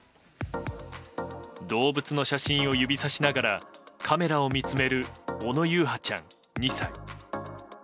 動物の写真を指差しながらカメラを見つめる小野優陽ちゃん、２歳。